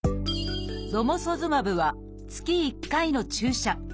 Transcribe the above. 「ロモソズマブ」は月１回の注射。